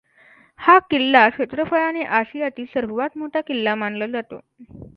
हा किल्ला क्षेत्रफळाने अशियातील सर्वात मोठा किल्ला मानला जातो.